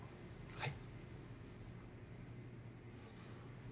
はい。